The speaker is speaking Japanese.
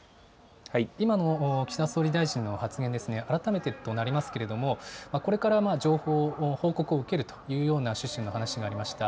今の岸田総理大臣の発言ですが、改めてとなりますけれども、これから情報、報告を受けるというような趣旨の話がありました。